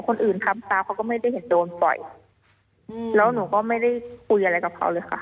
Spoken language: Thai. คนอื่นทำตาเขาก็ไม่ได้เห็นโดนต่อยอืมแล้วหนูก็ไม่ได้คุยอะไรกับเขาเลยค่ะ